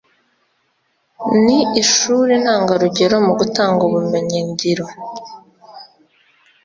Ni ishuri ntangarugero mu gutanga ubumenyi ngiro